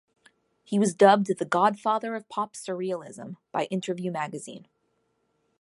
He was dubbed "the god-father of pop surrealism" by "Interview Magazine".